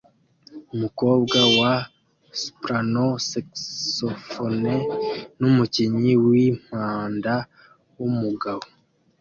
Umukobwa wa soprano saxophone numukinnyi wimpanda wumugabo